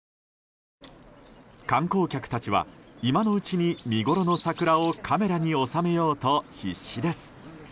観光客たちは今のうちに見ごろの桜をカメラに収めようと必死です。